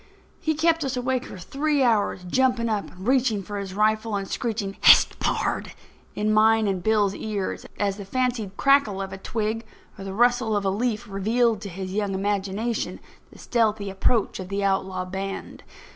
He kept us awake for three hours, jumping up and reaching for his rifle and screeching: "Hist! pard," in mine and Bill's ears, as the fancied crackle of a twig or the rustle of a leaf revealed to his young imagination the stealthy approach of the outlaw band.